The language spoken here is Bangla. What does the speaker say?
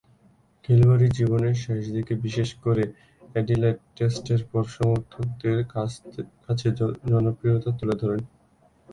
খেলোয়াড়ী জীবনের শেষদিকে বিশেষ করে অ্যাডিলেড টেস্টের পর সমর্থকদের কাছে জনপ্রিয়তা তুলে ধরেন।